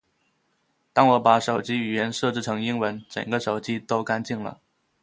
当我把手机语言设置成英文，整个手机都干净了